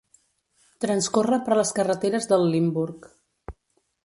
Transcorre per les carreteres del Limburg.